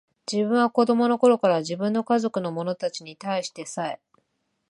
自分は子供の頃から、自分の家族の者たちに対してさえ、